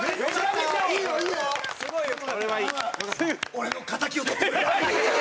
俺の敵を取ってくれ。